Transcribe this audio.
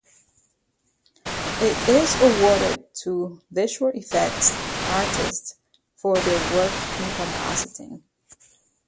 It is awarded to visual effects artists for their work in compositing.